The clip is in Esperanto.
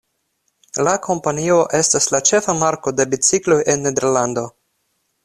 La kompanio estas la ĉefa marko de bicikloj en Nederlando.